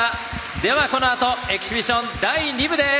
では、このあとエキシビジョン第２部です。